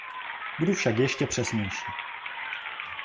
Budu však ještě přesnější.